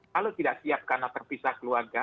kalau tidak siap karena terpisah keluarga